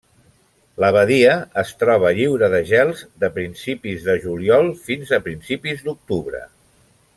La badia es troba lliure de gels de principis de juliol fins a principis d'octubre.